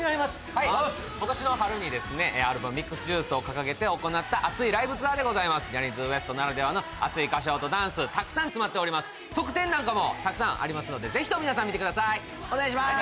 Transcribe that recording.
はい今年の春にですねアルバム「ＭｉｘｅｄＪｕｉｃｅ」を掲げて行った熱いライブツアーでございますジャニーズＷＥＳＴならではの熱い歌唱とダンスたくさん詰まっております特典なんかもたくさんありますのでぜひとも皆さん見てくださいお願いします